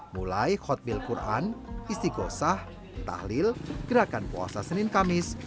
mulai khotbil quran istiqosah tahlil gerakan puasa senin kamis